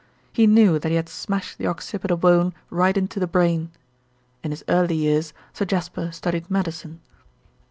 He knew that he had smashed the occipital bone right into the brain. In his early years Sir Jasper studied medicine.